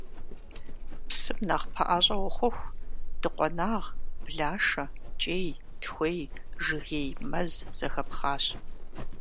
Псым нэхъ пэӀэщӀэ ухъуху дыкъуэнагъ, блашэ, кӀей, тхуей, жыгей мэз зэхэпхъащ.